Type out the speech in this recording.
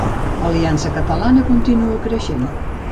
Aliança Catalana continua creixent.